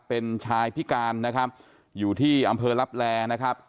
เป็นชายพิการนะครับอยู่ที่อำเภอลับแลนะครับ